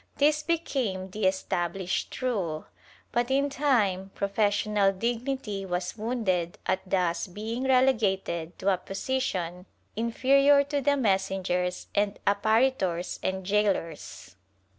^ This became the established rule, but in time professional dignity was wounded at thus being relegated to a position inferior to the messengers and apparitors and gaolers.